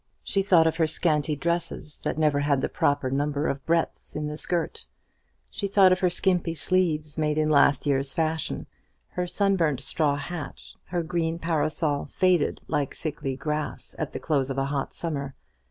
She thought of her scanty dresses, that never had the proper number of breadths in the skirt; she thought of her skimpy sleeves made in last year's fashion, her sunburnt straw hat, her green parasol faded like sickly grass at the close of a hot summer.